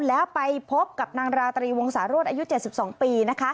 แล้วไปพบกับนางราตรีวงศาโรศอายุ๗๒ปี